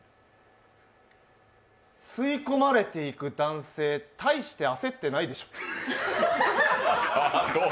吸い込まれていてく男性、大して焦ってないでしょう？